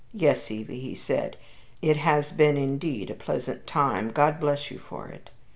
"Yes, Evie," he said, "it has been indeed a pleasant time. God bless you for it."